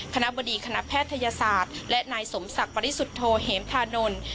คณะบดีคณะแพทยศาสตร์และนายสมศักดิ์ปริสุทธโธเหมธานนท์